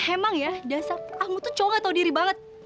emang ya dasar kamu tuh cowok gak tau diri banget